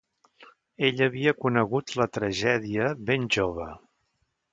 Ell havia conegut la tragèdia ben jove...